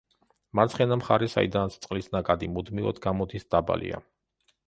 მარცხენა მხარე, საიდანაც წყლის ნაკადი მუდმივად გამოდის, დაბალია.